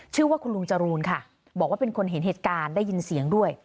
ชื่อว่าคุณลุงจรูนค่ะบอกว่าเป็นคนเห็นเหตุการณ์ได้ยินเสียงด้วย